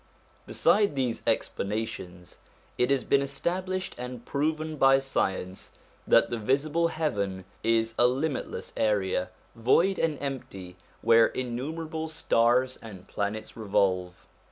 Beside these explanations, it has been established and proved by science that the visible heaven is a limit less area, void and empty, where innumerable stars and planets revolve.